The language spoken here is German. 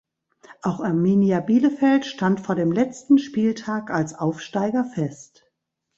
Auch Arminia Bielefeld stand vor dem letzten Spieltag als Aufsteiger fest.